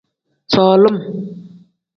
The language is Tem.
Solim.